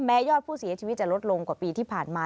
ยอดผู้เสียชีวิตจะลดลงกว่าปีที่ผ่านมา